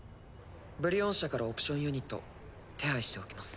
「ブリオン社」からオプションユニット手配しておきます。